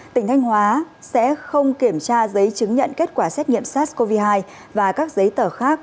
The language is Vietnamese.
tỉnh thanh hóa sẽ không kiểm tra giấy chứng nhận kết quả xét nghiệm sars cov hai và các giấy tờ khác